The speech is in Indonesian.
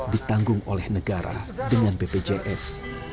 ditanggung oleh negara dengan bpjs